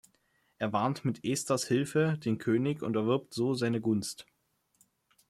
Er warnt mit Esters Hilfe den König und erwirbt so seine Gunst.